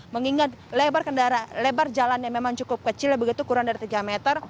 mengingat lebar jalan yang memang cukup kecil begitu kurang dari tiga meter